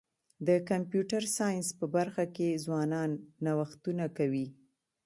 د کمپیوټر ساینس په برخه کي ځوانان نوښتونه کوي.